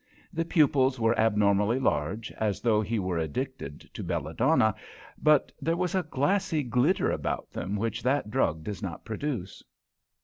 The pupils were abnormally large, as though he were addicted to belladonna, but there was a glassy glitter about them which that drug does not produce.